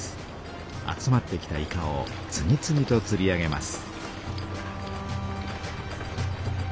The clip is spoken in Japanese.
集まってきたイカを次々とつり上げます。